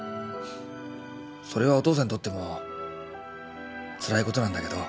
それはお父さんにとってもつらいことなんだけど。